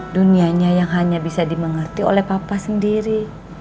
dunianya yang hanya bisa dimengerti oleh papa sendiri